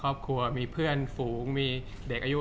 จากความไม่เข้าจันทร์ของผู้ใหญ่ของพ่อกับแม่